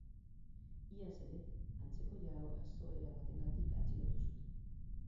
Iaz ere antzeko jazoera batengatik atxilotu zuten.